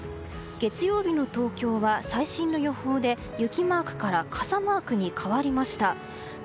月曜日の東京は最新の予報で雪マークから傘マークに変わりました。